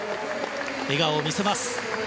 笑顔を見せます。